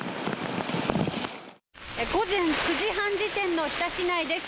午前９時半時点の日田市内です。